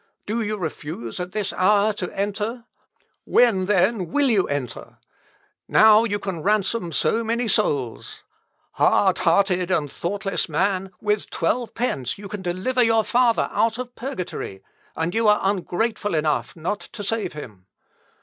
Do you refuse at this hour to enter? When, then, will you enter? Now you can ransom so many souls! Hard hearted and thoughtless man, with twelve pence you can deliver your father out of purgatory, and you are ungrateful enough not to save him!